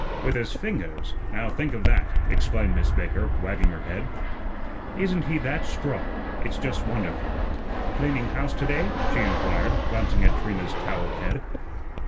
"With his fingers! Now, think of that," exclaimed Miss Baker, wagging her head. "Isn't he that strong! It's just wonderful. Cleaning house to day?" she inquired, glancing at Trina's towelled head.